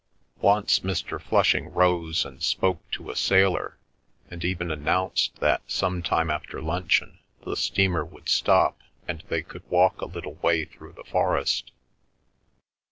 Once Mr. Flushing rose and spoke to a sailor, and even announced that some time after luncheon the steamer would stop, and they could walk a little way through the forest.